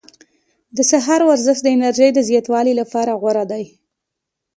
د سهار ورزش د انرژۍ د زیاتوالي لپاره غوره ده.